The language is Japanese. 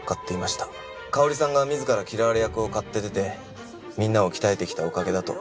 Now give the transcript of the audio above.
香織さんが自ら嫌われ役を買って出てみんなを鍛えてきたおかげだと。